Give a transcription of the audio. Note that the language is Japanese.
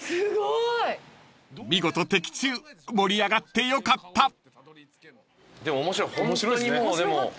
［見事的中盛り上がってよかった］